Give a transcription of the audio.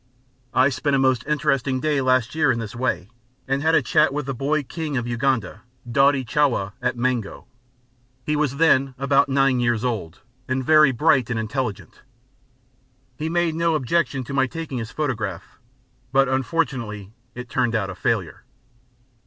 I spent a most interesting day last year in this way, and had a chat with the boy King of Uganda, Daudi Chwa, at Mengo. He was then about nine years old, and very bright and intelligent. He made no objection to my taking his photograph, but it unfortunately turned out a failure.